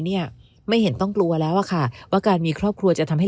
เนี่ยไม่เห็นต้องกลัวแล้วอะค่ะว่าการมีครอบครัวจะทำให้